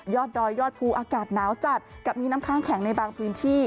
ดอยยอดภูอากาศหนาวจัดกับมีน้ำค้างแข็งในบางพื้นที่